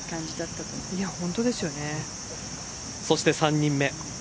そして３人目。